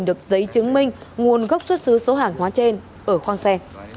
được giấy chứng minh nguồn gốc xuất xứ số hàng hóa trên ở khoang xe